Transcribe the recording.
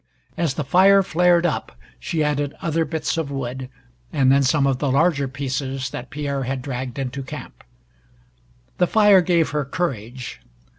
As the fire flared up she added other bits of wood, and then some of the larger pieces that Pierre had dragged into camp. The fire gave her courage.